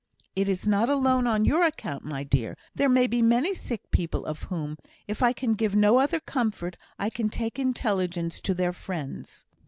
"It is not alone on your account, my dear! There may be many sick people of whom, if I can give no other comfort, I can take intelligence to their friends."